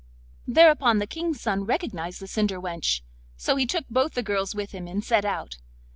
Thereupon the King's son recognised the cinder wench; so he took both the girls with him, and set out.